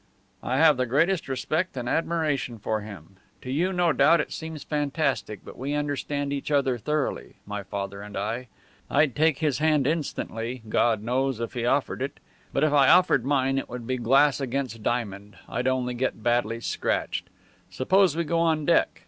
"I have the greatest respect and admiration for him. To you no doubt it seems fantastic; but we understand each other thoroughly, my father and I. I'd take his hand instantly, God knows, if he offered it! But if I offered mine it would be glass against diamond I'd only get badly scratched. Suppose we go on deck?